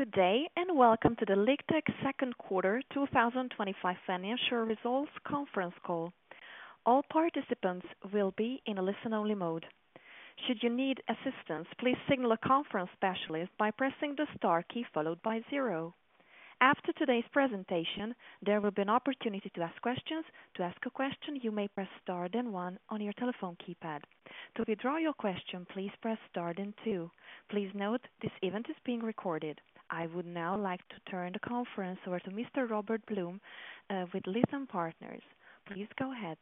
Good day and welcome to the LiqTech Second Quarter 2025 Financial Results Conference Call. All participants will be in a listen-only mode. Should you need assistance, please signal a conference specialist by pressing the star key followed by zero. After today's presentation, there will be an opportunity to ask questions. To ask a question, you may press star then one on your telephone keypad. To withdraw your question, please press star then two. Please note this event is being recorded. I would now like to turn the conference over to Mr. Robert Blum with Lytham Partners. Please go ahead.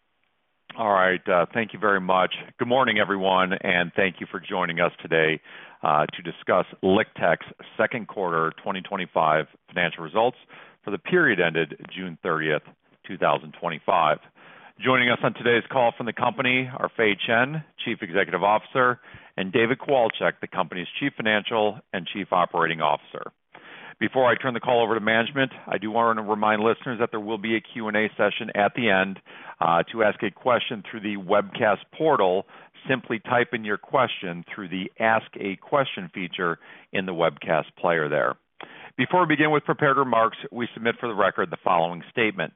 All right, thank you very much. Good morning, everyone, and thank you for joining us today to discuss LiqTech's Second Quarter 2025 Financial Results for the period ended June 30th, 2025. Joining us on today's call from the company are Fei Chen, Chief Executive Officer, and David Kowalczyk, the company's Chief Financial and Chief Operating Officer. Before I turn the call over to management, I do want to remind listeners that there will be a Q&A session at the end. To ask a question through the webcast portal, simply type in your question through the Ask a Question feature in the webcast player there. Before we begin with prepared remarks, we submit for the record the following statement: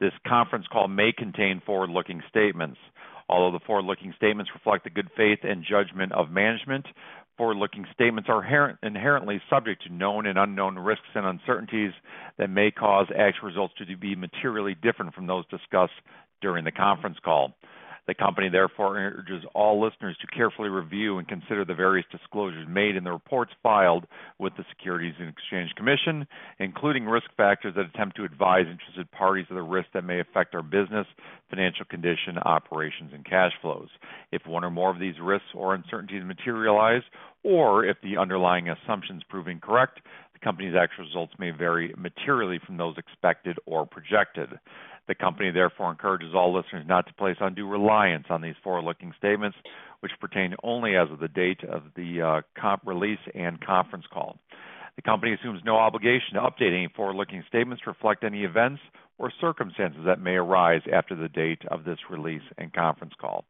This conference call may contain forward-looking statements. Although the forward-looking statements reflect the good faith and judgment of management, forward-looking statements are inherently subject to known and unknown risks and uncertainties that may cause actual results to be materially different from those discussed during the conference call. The company therefore urges all listeners to carefully review and consider the various disclosures made in the reports filed with the Securities and Exchange Commission, including risk factors that attempt to advise interested parties of the risks that may affect our business, financial condition, operations, and cash flows. If one or more of these risks or uncertainties materialize, or if the underlying assumptions prove incorrect, the company's actual results may vary materially from those expected or projected. The company therefore encourages all listeners not to place undue reliance on these forward-looking statements, which pertain only as of the date of the release and conference call. The company assumes no obligation to update any forward-looking statements to reflect any events or circumstances that may arise after the date of this release and conference call.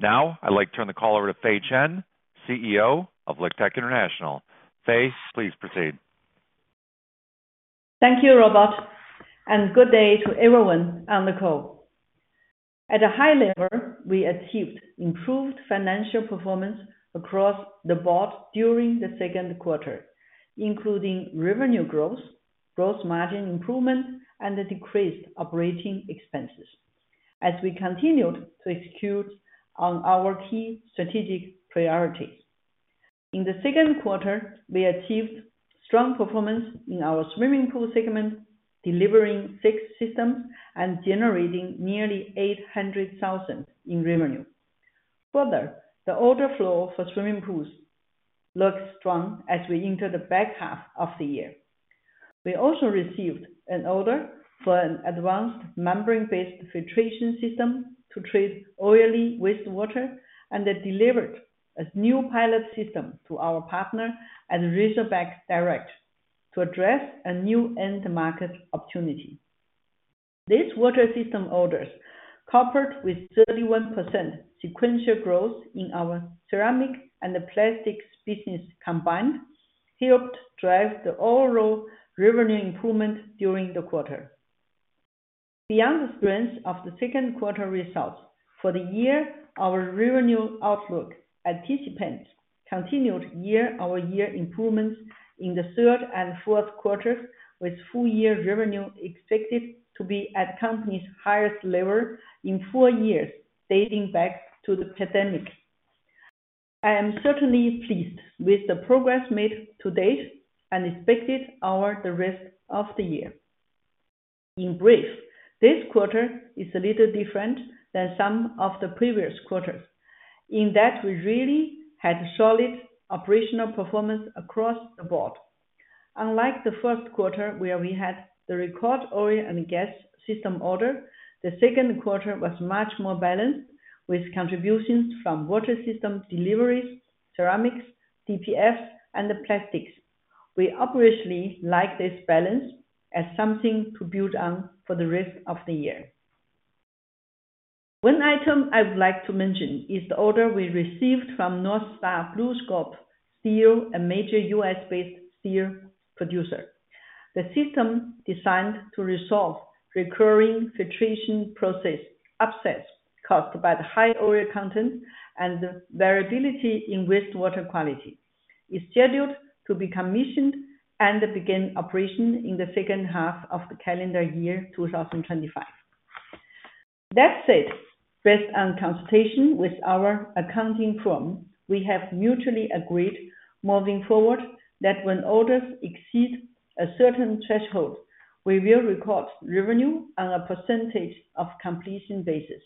Now, I'd like to turn the call over to Fei Chen, CEO of LiqTech International. Fei, please proceed. Thank you, Robert, and good day to everyone on the call. At a high level, we achieved improved financial performance across the board during the second quarter, including revenue growth, gross margin improvement, and decreased operating expenses, as we continued to execute on our key strategic priorities. In the second quarter, we achieved strong performance in our swimming pool segment, delivering six systems and generating nearly $800,000 in revenue. Further, the order flow for swimming pools looked strong as we entered the back half of the year. We also received an order for an advanced ceramic membrane-based oily wastewater treatment system, and delivered a new pilot system to our partner at Razorback Direct to address a new end-market opportunity. These water system orders, coupled with 31% sequential growth in our ceramic and plastics business combined, helped drive the overall revenue improvement during the quarter. Beyond the strength of the second quarter results for the year, our revenue outlook anticipates continued year-over-year improvements in the third and fourth quarters, with full-year revenue expected to be at the company's highest level in four years dating back to the pandemic. I am certainly pleased with the progress made to date and expect it over the rest of the year. In brief, this quarter is a little different than some of the previous quarters in that we really had solid operational performance across the board. Unlike the first quarter, where we had the record oil and gas system order, the second quarter was much more balanced with contributions from water system deliveries, ceramics, DPFs, and plastics. We obviously like this balance as something to build on for the rest of the year. One item I would like to mention is the order we received from North Star BlueScope Steel, a major U.S.-based steel producer. The system designed to resolve recurring filtration process upsets caused by the high oil content and the variability in wastewater quality is scheduled to be commissioned and begin operation in the second half of the calendar year 2025. That said, based on consultation with our accounting firm, we have mutually agreed moving forward that when orders exceed a certain threshold, we will record revenue on a percentage of completion basis.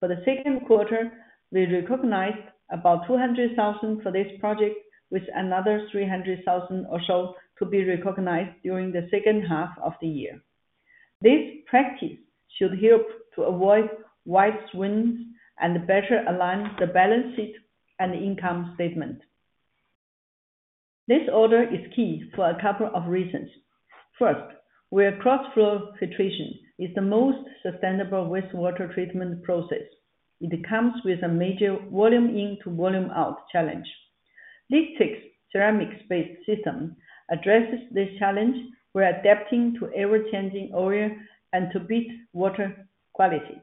For the second quarter, we recognized about $200,000 for this project, with another $300,000 or so to be recognized during the second half of the year. This practice should help to avoid wise wins and better align the balance sheet and income statement. This order is key for a couple of reasons. First, where cross-flow filtration is the most sustainable wastewater treatment process, it comes with a major volume in to volume out challenge. LiqTech's ceramic membrane-based system addresses this challenge by adapting to ever-changing oil and to beat water quality.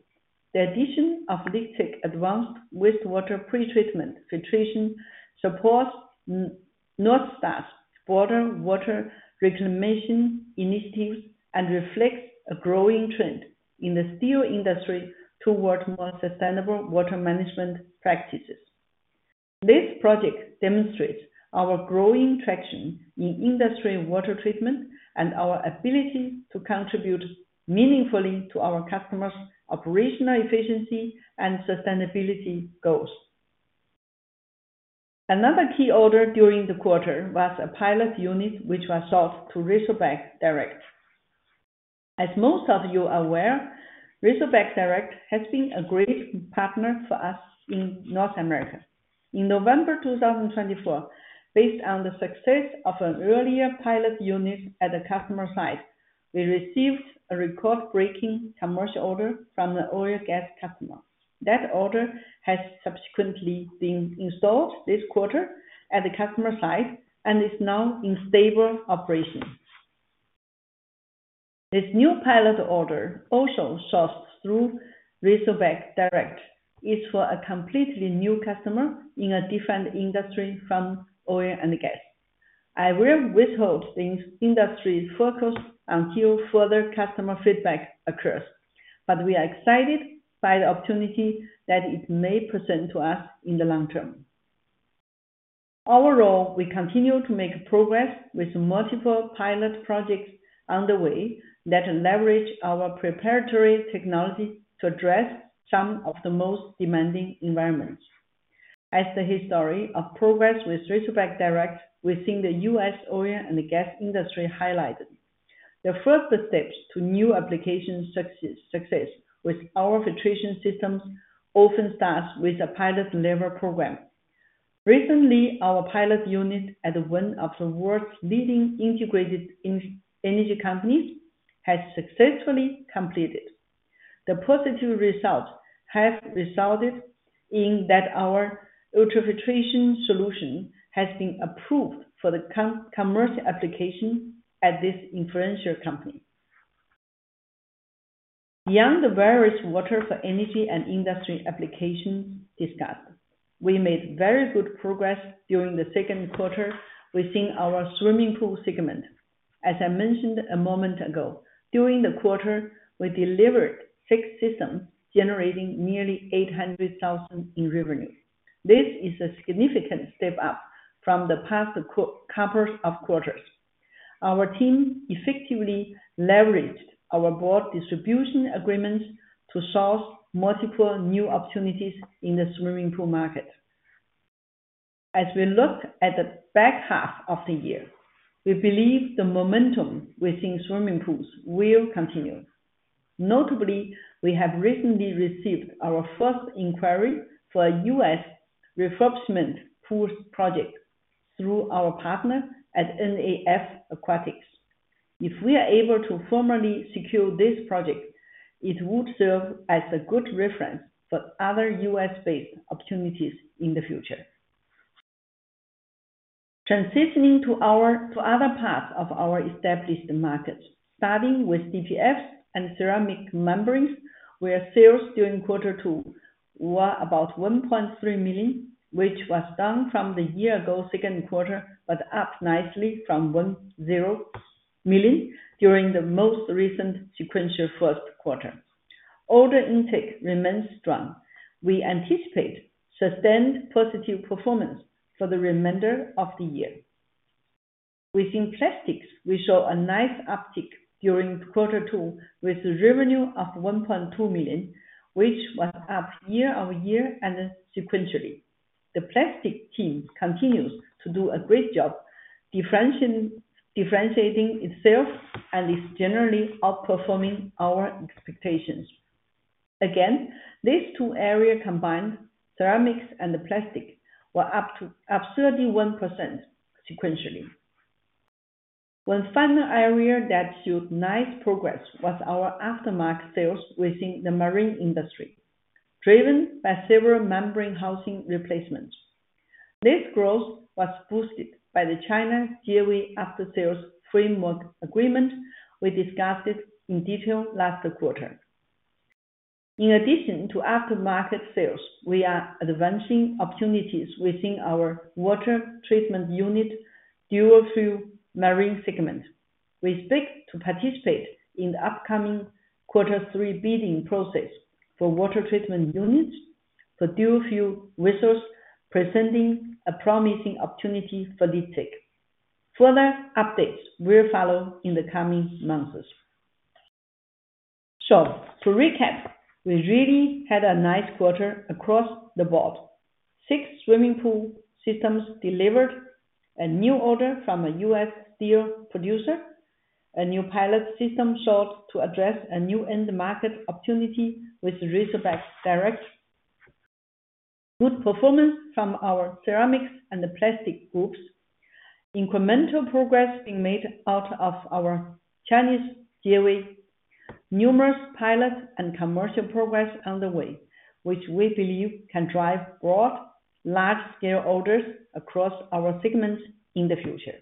The addition of LiqTech's advanced wastewater pretreatment filtration supports North Star broader water reclamation initiatives and reflects a growing trend in the steel industry toward more sustainable water management practices. This project demonstrates our growing traction in industry water treatment and our ability to contribute meaningfully to our customers' operational efficiency and sustainability goals. Another key order during the quarter was a pilot unit which was sold to Razorback Direct. As most of you are aware, Razorback Direct has been a great partner for us in North America. In November 2024, based on the success of an earlier pilot unit at a customer site, we received a record-breaking commercial order from an oil and gas customer. That order has subsequently been installed this quarter at a customer site and is now in stable operation. This new pilot order also sold through Razorback Direct is for a completely new customer in a different industry from oil and gas. I will withhold this industry focus until further customer feedback occurs, but we are excited by the opportunity that it may present to us in the long term. Overall, we continue to make progress with multiple pilot projects underway that leverage our proprietary technology to address some of the most demanding environments. As the history of progress with Razorback Direct within the U.S. oil and gas industry highlighted, the first steps to new applications' success with our filtration systems often start with a pilot level program. Recently, our pilot unit at one of the world's leading integrated energy companies has successfully completed. The positive result has resulted in that our ultrafiltration solution has been approved for the commercial application at this influential company. Beyond the various water for energy and industry applications discussed, we made very good progress during the second quarter within our swimming pool segment. As I mentioned a moment ago, during the quarter, we delivered six systems generating nearly $800,000 in revenue. This is a significant step up from the past couple of quarters. Our team effectively leveraged our broad distribution agreements to source multiple new opportunities in the swimming pool market. As we look at the back half of the year, we believe the momentum within swimming pools will continue. Notably, we have recently received our first inquiry for a U.S. refurbishment pool project through our partner at NAF Aquatics. If we are able to formally secure this project, it would serve as a good reference for other U.S.-based opportunities in the future. Transitioning to other parts of our established markets, starting with DPFs and ceramic membranes, sales during quarter two were about $1.3 million, which was down from the year-ago second quarter, but up nicely from $1.0 million during the most recent sequential first quarter. Order intake remains strong. We anticipate sustained positive performance for the remainder of the year. Within plastics, we saw a nice uptick during quarter two with revenue of $1.2 million, which was up year-over-year and sequentially. The plastics team continues to do a great job differentiating itself and is generally outperforming our expectations. Again, these two areas combined, ceramics and plastics, were up 31% sequentially. One final area that showed nice progress was our aftermarket sales within the marine industry, driven by several membrane housing replacements. This growth was boosted by the China DOE after-sales framework agreement we discussed in detail last quarter. In addition to aftermarket sales, we are advancing opportunities within our water treatment unit dual-fuel marine segment. We expect to participate in the upcoming quarter three bidding process for water treatment units for dual-fuel resources, presenting a promising opportunity for LiqTech. Further updates will follow in the coming months. To recap, we really had a nice quarter across the board. Six swimming pool systems delivered, a new order from a U.S. steel producer, a new pilot system sold to address a new end-market opportunity with Razorback Direct, good performance from our ceramics and plastics groups, incremental progress being made out of our China DOE, numerous pilots, and commercial progress underway, which we believe can drive broad, large-scale orders across our segments in the future.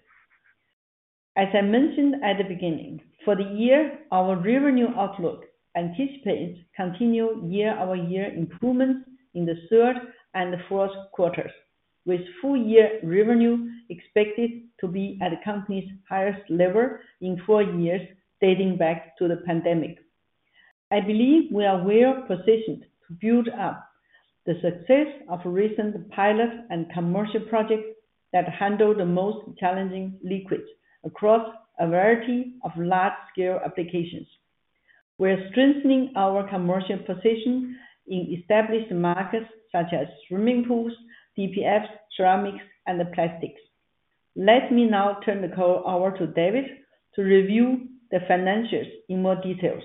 As I mentioned at the beginning, for the year, our revenue outlook anticipates continued year-over-year improvements in the third and fourth quarters, with full-year revenue expected to be at the company's highest level in four years dating back to the pandemic. I believe we are well positioned to build up the success of recent pilot and commercial projects that handle the most challenging liquids across a variety of large-scale applications. We are strengthening our commercial position in established markets such as swimming pools, DPFs, ceramics, and plastics. Let me now turn the call over to David to review the financials in more detail.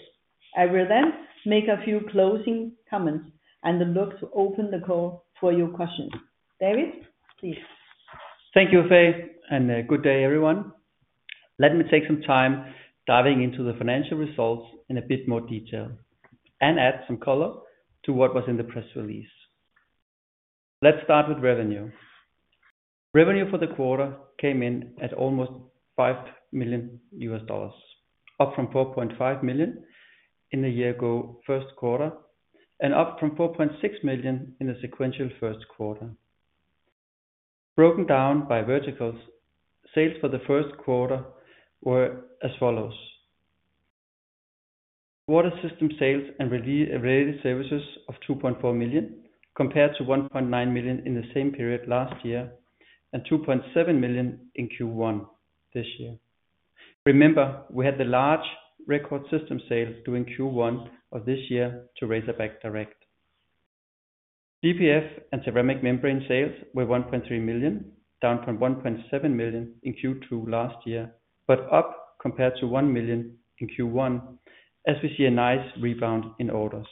I will then make a few closing comments and look to open the call for your questions. David, please. Thank you, Fei, and good day, everyone. Let me take some time diving into the financial results in a bit more detail and add some color to what was in the press release. Let's start with revenue. Revenue for the quarter came in at almost $5 million, up from $4.5 million in the year-ago first quarter, and up from $4.6 million in the sequential first quarter. Broken down by verticals, sales for the first quarter were as follows: water system sales and related services of $2.4 million compared to $1.9 million in the same period last year and $2.7 million in Q1 this year. Remember, we had the large record system sales during Q1 of this year to Razorback Direct. DPF and ceramic membrane sales were $1.3 million, down from $1.7 million in Q2 last year, but up compared to $1 million in Q1, as we see a nice rebound in orders.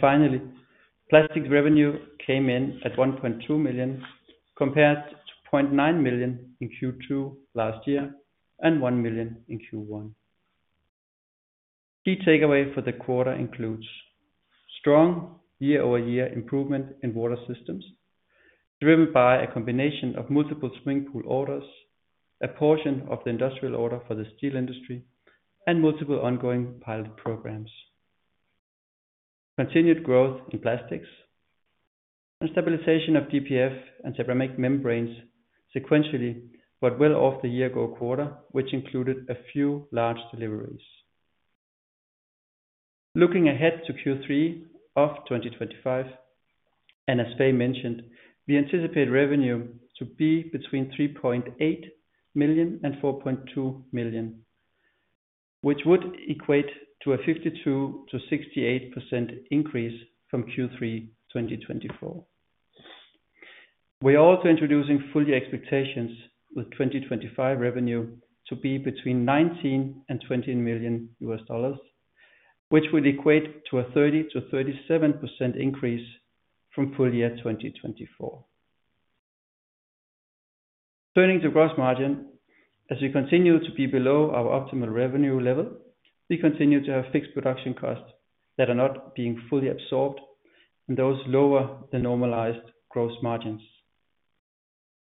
Finally, plastics revenue came in at $1.2 million compared to $0.9 million in Q2 last year and $1 million in Q1. Key takeaway for the quarter includes strong year-over-year improvement in water systems, driven by a combination of multiple swimming pool orders, a portion of the industrial order for the steel industry, and multiple ongoing pilot programs. Continued growth in plastics and stabilization of DPF and ceramic membranes sequentially, but well off the year-ago quarter, which included a few large deliveries. Looking ahead to Q3 of 2025, and as Fei mentioned, we anticipate revenue to be between $3.8 million and $4.2 million, which would equate to a 52%-68% increase from Q3 2024. We are also introducing full-year expectations with 2025 revenue to be between $19 million and $20 million, which will equate to a 30%-37% increase from full-year 2024. Turning to gross margin, as we continue to be below our optimal revenue level, we continue to have fixed production costs that are not being fully absorbed in those lower than normalized gross margins.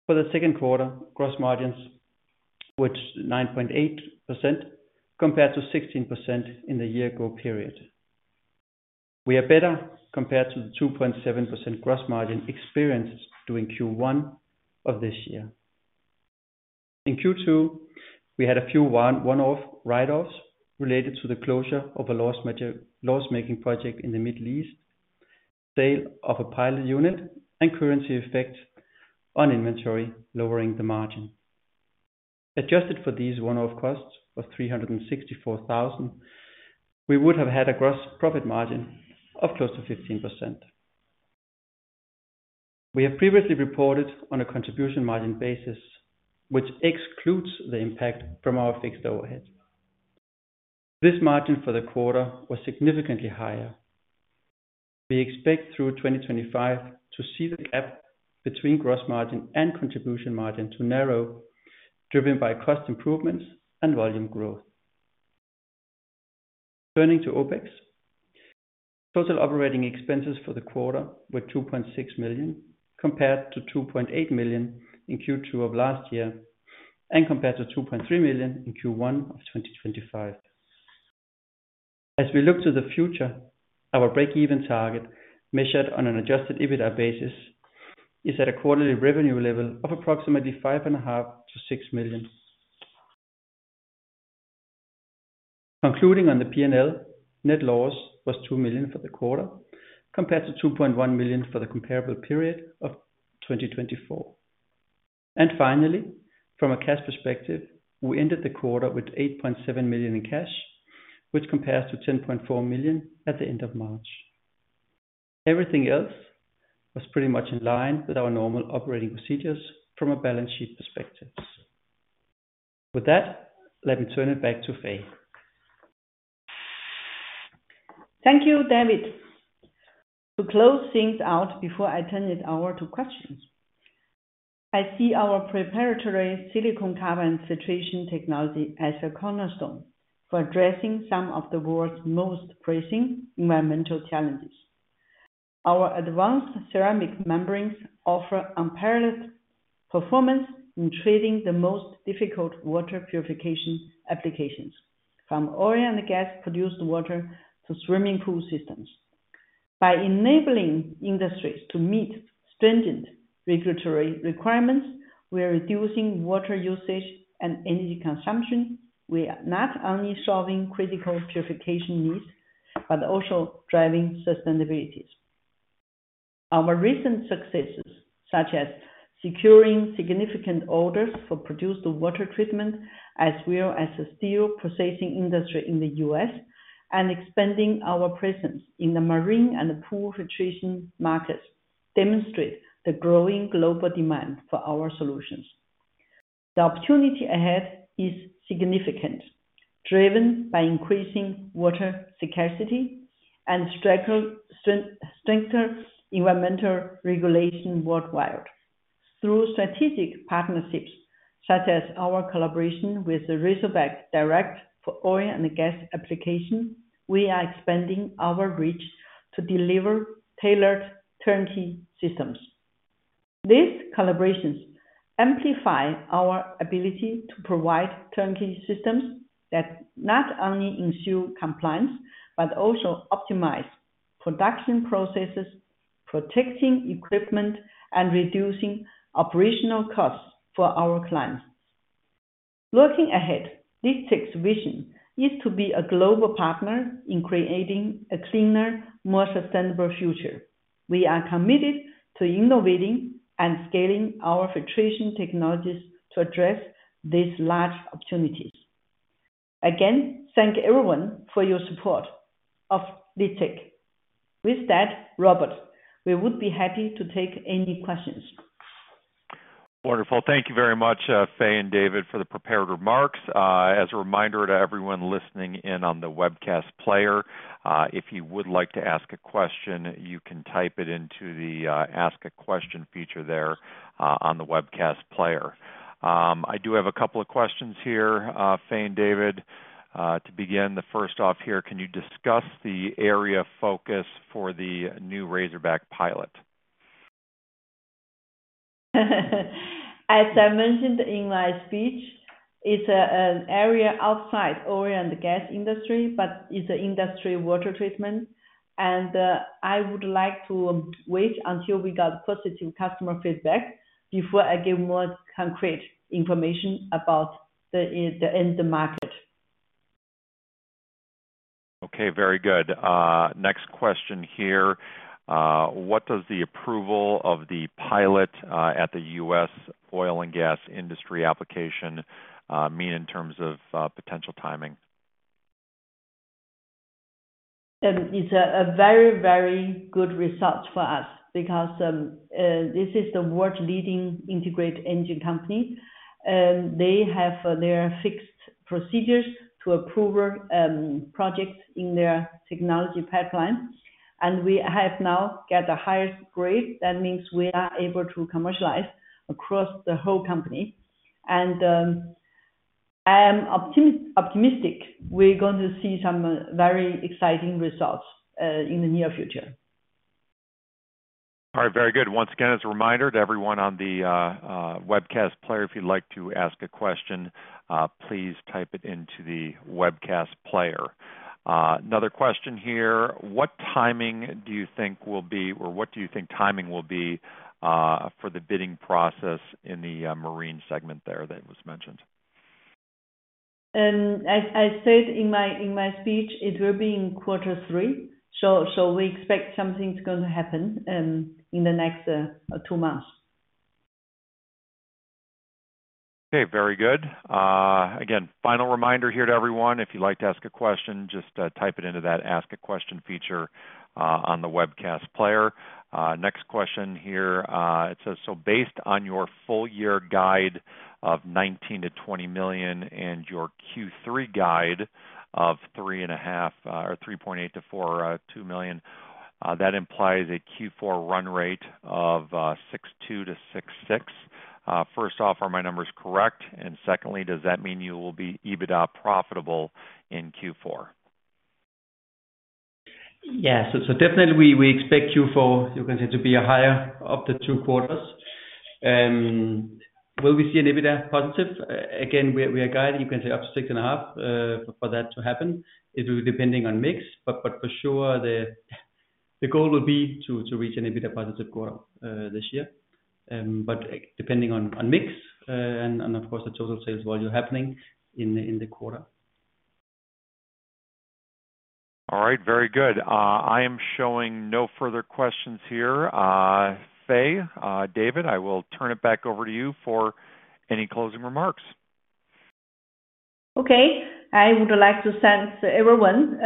For the second quarter, gross margins were 9.8% compared to 16% in the year-ago period. We are better compared to the 2.7% gross margin experienced during Q1 of this year. In Q2, we had a few one-off write-offs related to the closure of a loss-making project in the Middle East, sale of a pilot unit, and currency effects on inventory lowering the margin. Adjusted for these one-off costs of $364,000, we would have had a gross profit margin of close to 15%. We have previously reported on a contribution margin basis, which excludes the impact from our fixed overhead. This margin for the quarter was significantly higher. We expect through 2025 to see the gap between gross margin and contribution margin to narrow, driven by cost improvements and volume growth. Turning to OpEx, total operating expenses for the quarter were $2.6 million compared to $2.8 million in Q2 of last year and compared to $2.3 million in Q1 of 2025. As we look to the future, our break-even target measured on an adjusted EBITDA basis is at a quarterly revenue level of approximately $5.5 million-$6 million. Concluding on the P&L, net loss was $2 million for the quarter compared to $2.1 million for the comparable period of 2024. Finally, from a cash perspective, we ended the quarter with $8.7 million in cash, which compares to $10.4 million at the end of March. Everything else was pretty much in line with our normal operating procedures from a balance sheet perspective. With that, let me turn it back to Fei. Thank you, David. To close things out before I turn it over to questions, I see our preparatory silicon carbide filtration technology as a cornerstone for addressing some of the world's most pressing environmental challenges. Our advanced ceramic membranes offer unparalleled performance in treating the most difficult water purification applications, from oil and gas-produced water to swimming pool systems. By enabling industries to meet stringent regulatory requirements, we are reducing water usage and energy consumption. We are not only solving critical purification needs, but also driving sustainability. Our recent successes, such as securing significant orders for produced water treatment, as well as the steel processing industry in the U.S., and expanding our presence in the marine and the pool filtration markets, demonstrate the growing global demand for our solutions. The opportunity ahead is significant, driven by increasing water security and strengthening environmental regulation worldwide. Through strategic partnerships, such as our collaboration with Razorback Direct for oil and gas application, we are expanding our reach to deliver tailored turnkey systems. These collaborations amplify our ability to provide turnkey systems that not only ensure compliance, but also optimize production processes, protecting equipment, and reducing operational costs for our clients. Looking ahead, LiqTech's vision is to be a global partner in creating a cleaner, more sustainable future. We are committed to innovating and scaling our filtration technologies to address these large opportunities. Again, thank everyone for your support of LiqTech. With that, Robert, we would be happy to take any questions. Wonderful. Thank you very much, Fei and David, for the prepared remarks. As a reminder to everyone listening in on the webcast player, if you would like to ask a question, you can type it into the Ask a Question feature there on the webcast player. I do have a couple of questions here, Fei and David. To begin, first off here, can you discuss the area of focus for the new Razorback pilot? As I mentioned in my speech, it's an area outside oil and gas industry, but it's an industry water treatment. I would like to wait until we got positive customer feedback before I give more concrete information about the end-market. Okay, very good. Next question here. What does the approval of the pilot at the U.S. oil and gas industry application mean in terms of potential timing? It's a very, very good result for us because this is the world's leading integrated engine company. They have their fixed procedures to approve projects in their technology pipeline. We have now got the highest grade. That means we are able to commercialize across the whole company. I am optimistic we're going to see some very exciting results in the near future. All right, very good. Once again, as a reminder to everyone on the webcast player, if you'd like to ask a question, please type it into the webcast player. Another question here. What timing do you think will be, or what do you think timing will be for the bidding process in the marine segment there that was mentioned? As I said in my speech, it will be in quarter three. We expect something's going to happen in the next two months. Okay, very good. Again, final reminder here to everyone, if you'd like to ask a question, just type it into that Ask a Question feature on the webcast player. Next question here. It says, so based on your full-year guide of $19 million-$20 million and your Q3 guide of $3.8 million-$4 million, that implies a Q4 run rate of $6.2 million-$6.6 million. First off, are my numbers correct? Secondly, does that mean you will be EBITDA profitable in Q4? Yeah, so definitely we expect Q4, you can say, to be higher up to two quarters. Will we see an EBITDA positive? Again, we are guiding, you can say, up to $6.5 million for that to happen. It will be depending on mix, but for sure the goal will be to reach an EBITDA positive quarter this year, depending on mix and of course the total sales volume happening in the quarter. All right, very good. I am showing no further questions here. Fei, David, I will turn it back over to you for any closing remarks. Okay, I would like to thank everyone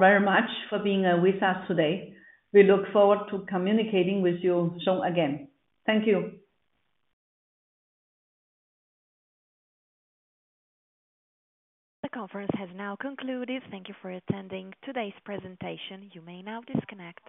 very much for being with us today. We look forward to communicating with you soon again. Thank you. The conference has now concluded. Thank you for attending today's presentation. You may now disconnect.